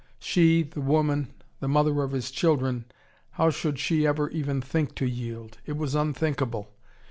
She the woman, the mother of his children, how should she ever even think to yield? It was unthinkable.